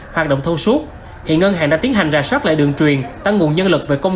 hoạt động thông suốt hiện ngân hàng đã tiến hành rà soát lại đường truyền tăng nguồn nhân lực về công